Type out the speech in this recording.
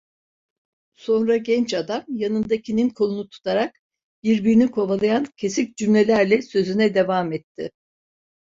Sonra genç adam yanındakinin kolunu tutarak, birbirini kovalayan kesik cümlelerle sözüne devam etti…